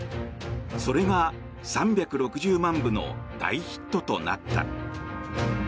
それが３６０万部の大ヒットとなった。